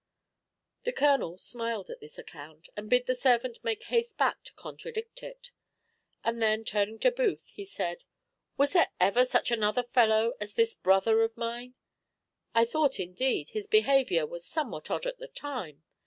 The colonel smiled at this account, and bid the servant make haste back to contradict it. And then turning to Booth, he said, "Was there ever such another fellow as this brother of mine? I thought indeed, his behaviour was somewhat odd at the time.